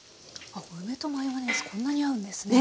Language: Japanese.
梅とマヨネーズこんなに合うんですね。